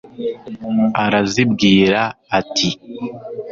arazibwira ati